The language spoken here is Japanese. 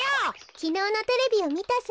きのうのテレビをみたせいよ。